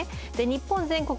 日本全国